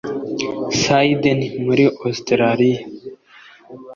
Sydney muri Australiya